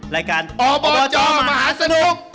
รายการอบจมหาสนุก